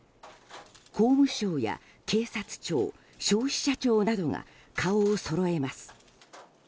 法務省や警察庁消費者庁などが顔をそろえます。